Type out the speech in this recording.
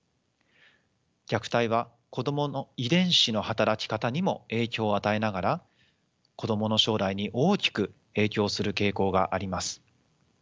虐待は子どもの遺伝子の働き方にも影響を与えながら子どもの将来に大きく影響する傾向があります。